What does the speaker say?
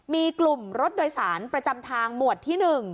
มีกลุ่มรถโดยสารประจำทางหมวดที่๑